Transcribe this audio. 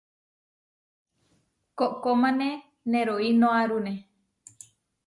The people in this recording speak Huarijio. Koʼkómane neroínoarune.